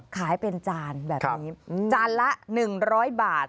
ขายเป็นจานแบบนี้จานละ๑๐๐บาท